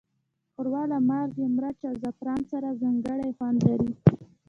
ښوروا له مالګې، مرچ، او زعفران سره ځانګړی خوند لري.